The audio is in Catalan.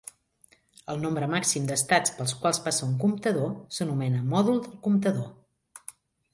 El nombre màxim d'estats pels quals passa un comptador s'anomena mòdul del comptador.